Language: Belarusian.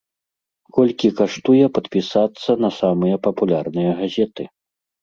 Колькі каштуе падпісацца на самыя папулярныя газеты?